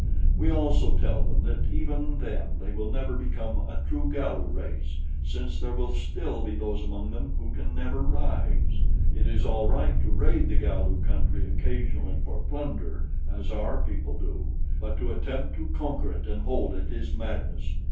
We also tell them that even then they will never become a true Galu race, since there will still be those among them who can never rise. It is all right to raid the Galu country occasionally for plunder, as our people do; but to attempt to conquer it and hold it is madness.